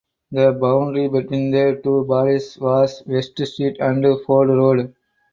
The boundary between the two bodies was West Street and Ford Road.